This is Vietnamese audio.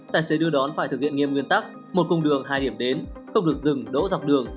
tài xế đưa đón phải thực hiện nghiêm nguyên tắc một cung đường hai điểm đến không được dừng đỗ dọc đường